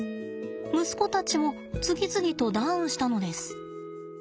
息子たちも次々とダウンしたのです。